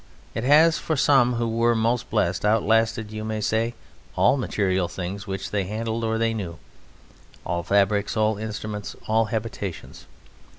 It has for some who were most blessed outlasted, you may say, all material things which they handled or they knew all fabrics, all instruments, all habitations.